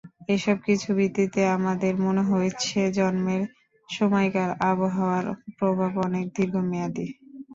এসব কিছুর ভিত্তিতে আমাদের মনে হয়েছে, জন্মের সময়কার আবহাওয়ার প্রভাব অনেক দীর্ঘমেয়াদি।